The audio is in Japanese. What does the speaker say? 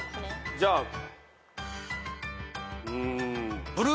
じゃあうん。